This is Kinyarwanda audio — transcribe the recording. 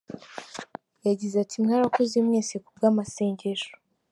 Yagize ati "Mwarakoze mwese ku bw’amasengesho.